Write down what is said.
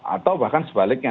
atau bahkan sebaliknya